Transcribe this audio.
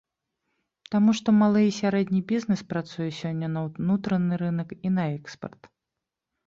Таму што малы і сярэдні бізнэс працуе сёння на ўнутраны рынак і на экспарт.